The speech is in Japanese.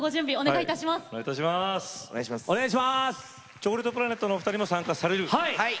チョコレートプラネットのお二人も参加される？